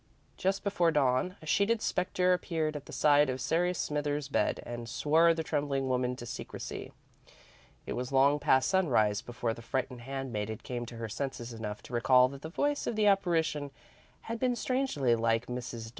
Just before dawn, a sheeted spectre appeared at the side of Sarah Smither's bed, and swore the trembling woman to secrecy. It was long past sunrise before the frightened handmaiden came to her senses enough to recall that the voice of the apparition had been strangely like Mrs. Dodd's.